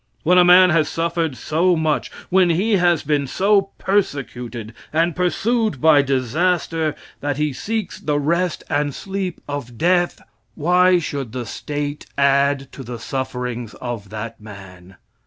When a man has suffered so much, when he has been so persecuted and pursued by disaster that he seeks the rest and sleep of death, why should the State add to the sufferings of that man?